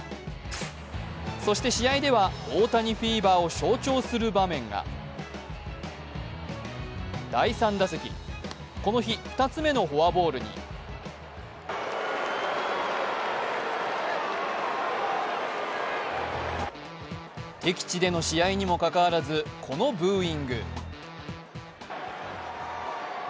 そして、試合では大谷フィーバーを象徴する場面が第３打席、この日２つ目のフォアボールに敵地での試合にもかかわらず、このブーイング。